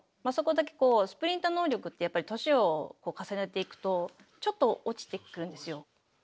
まあそこだけスプリント能力ってやっぱり年を重ねていくとちょっと落ちてくるんですよ。